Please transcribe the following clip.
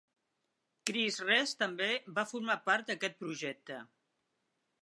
Chris Rest també va formar part d'aquest projecte.